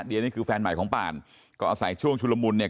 นี่คือแฟนใหม่ของป่านก็อาศัยช่วงชุลมุนเนี่ย